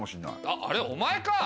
あっあれお前か！